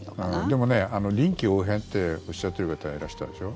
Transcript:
でもね臨機応変っておっしゃってる方がいらしたでしょ？